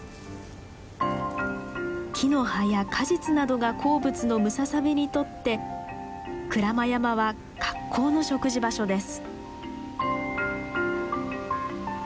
木の葉や果実などが好物のムササビにとって鞍馬山は格好の食事場所です。